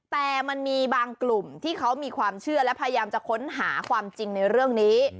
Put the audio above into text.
แต่มันมีบางกลุ่มที่เขามีความเชื่อและพยายามจะค้นหาความจริงในเรื่องนี้